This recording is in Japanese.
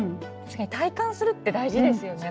体感するって大事ですよね